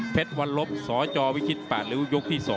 เพชรวัลลบสวิคิษแปดลิ้วยกที่๒